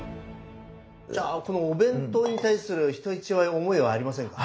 じゃあこのお弁当に対する人一倍思いはありませんか？